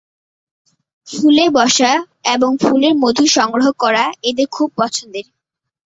ফুলে বসা এবং ফুলের মধু সংগ্রহ করা এদের খুব পছন্দের।